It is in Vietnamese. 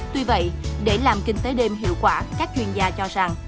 tuy vậy để làm kinh tế đêm hiệu quả các chuyên gia cho rằng